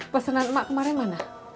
pesenan emas kemaren mana